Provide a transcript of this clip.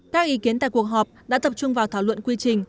các ý kiến tại cuộc họp đã tập trung vào thảo luận quy trình